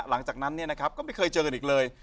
หลังจากนั้นเนี่ยนะครับก็ไม่เคยเจอกันอีกเลย